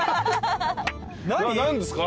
何ですか？